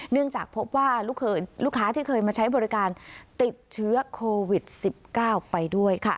เนื่องจากพบว่าลูกค้าที่เคยมาใช้บริการติดเชื้อโควิด๑๙ไปด้วยค่ะ